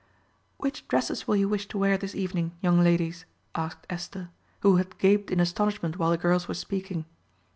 "Which dresses will you wish to wear this evening, young ladies?" asked Esther, who had gaped in astonishment while the girls were speaking.